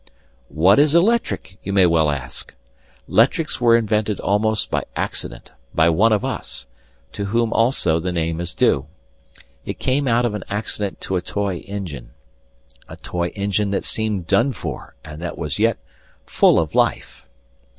What is a 'lectric? You may well ask. 'Lectrics were invented almost by accident, by one of us, to whom also the name is due. It came out of an accident to a toy engine; a toy engine that seemed done for and that was yet full of life.